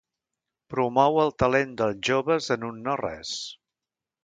Promou el talent dels joves en un nores.